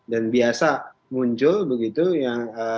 dan biasa muncul begitu ya